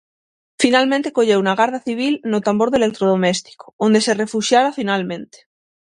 Finalmente colleuna a Garda Civil no tambor do electrodoméstico, onde se refuxiara finalmente.